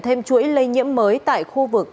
thêm chuỗi lây nhiễm mới tại khu vực